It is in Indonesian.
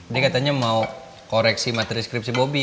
dia katanya mau koreksi materi skripsi bobby